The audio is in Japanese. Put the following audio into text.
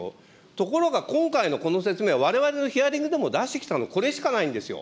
ところが、今回のこの説明はわれわれのヒアリングでも、出してきたの、これしかないんですよ。